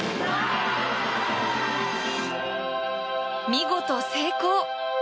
見事、成功！